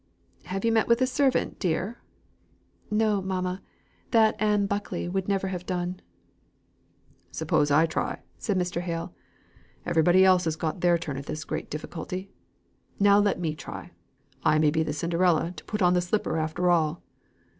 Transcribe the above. "Have you met with a servant, dear?" "No, mamma; that Anne Buckley would never have done." "Suppose I try," said Mr. Hale. "Everybody else has had their turn at this great difficulty. Now let me try. I may be the Cinderella to put on the slipper after all."